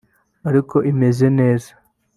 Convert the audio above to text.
ariko imeze neza